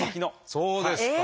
そうですか！